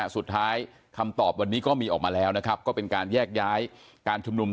คำตอบวันนี้ก็มีออกมาแล้วนะครับก็เป็นการแยกย้ายการชุมนุม